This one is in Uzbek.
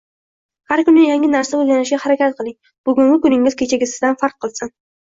Har kuni yangi narsa o‘rganishga harakat qiling, bugungi kuningiz kechagisidan farq qilsin.